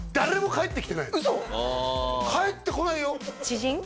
返ってこないよ知人？